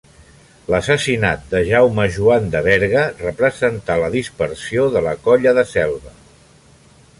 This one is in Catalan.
L'assassinat de Jaume Joan de Berga representà la dispersió de la Colla de Selva.